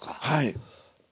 はい。